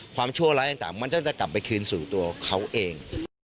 ชั่วร้ายต่างมันก็จะกลับไปคืนสู่ตัวเขาเอง